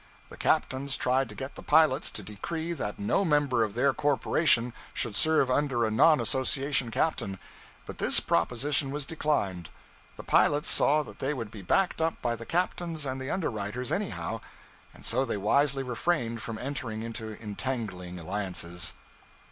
The captains tried to get the pilots to decree that no member of their corporation should serve under a non association captain; but this proposition was declined. The pilots saw that they would be backed up by the captains and the underwriters anyhow, and so they wisely refrained from entering into entangling alliances.